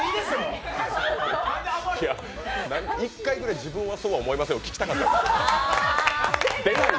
１回ぐらい自分はそうは思いませんを聞きたかった。